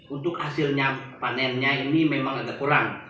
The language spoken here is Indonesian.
untuk hasilnya panennya ini memang agak kurang